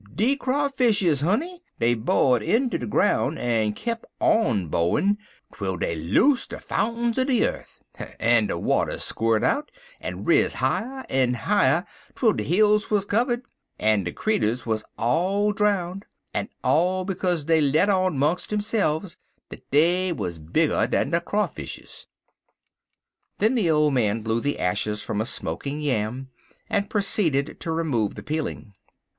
"De Crawfishes, honey. Dey bo'd inter de groun' en kep' on bo'in twel dey onloost de fountains er de yeth; en de waters squirt out, en riz higher en higher twel de hills wuz kivvered, en de creeturs wuz all drownded; en all bekaze dey let on 'mong deyselves dat dey wuz bigger dan de Crawfishes." Then the old man blew the ashes from a smoking yam, and proceeded to remove the peeling.